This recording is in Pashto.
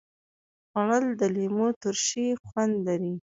خوړل د لیمو ترشي خوند لري